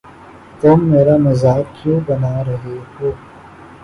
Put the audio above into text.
تم میرا مزاق کیوں بنا رہے ہو؟